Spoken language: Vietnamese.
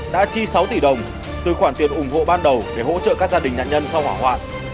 đã chi sáu tỷ đồng từ khoản tiền ủng hộ ban đầu để hỗ trợ các gia đình nạn nhân sau hỏa hoạn